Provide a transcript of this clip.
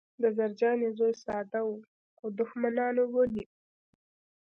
د زرجانې زوی ساده و او دښمنانو ونیوه